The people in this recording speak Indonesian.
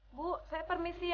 ibu saya permisi ya pak